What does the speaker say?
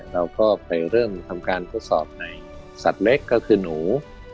เราก็ไปเริ่มทำการทดสอบในสัตว์เล็กก็คือหนู